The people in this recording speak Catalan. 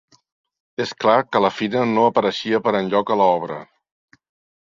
És clar que la Fina no apareixia per enlloc a l'obra.